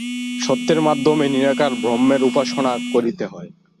সত্যের মাধ্যমে নিরাকার ব্রহ্মের উপাসনা করিতে হয়।